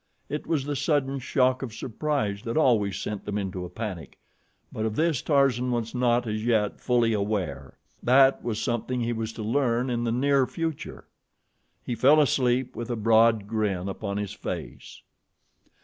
It was the sudden shock of surprise that always sent them into a panic; but of this Tarzan was not as yet fully aware. That was something he was to learn in the near future. He fell asleep with a broad grin upon his face.